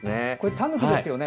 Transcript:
タヌキですよね？